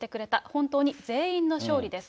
本当に全員の勝利です。